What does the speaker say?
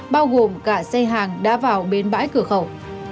bao gồm cả xe hàng đã vào bến bãi cửa khẩu